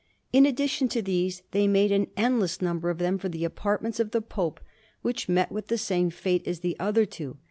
In addition to these, they made an endless number of them for the apartments of the Pope, which met with the same fate as the other two.